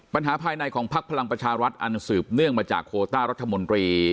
ปัญหาภายในของพักพลังประชารัฐอันสืบเนื่องมาจากโคต้ารัฐมนตรี